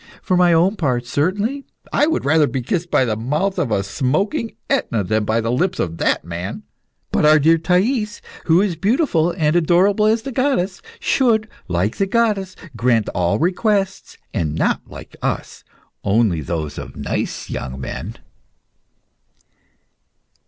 For my own part, certainly, I would rather be kissed by the mouth of smoking Etna than by the lips of that man. But our dear Thais, who is beautiful and adorable as the goddesses, should, like the goddesses, grant all requests, and not, like us, only those of nice young men."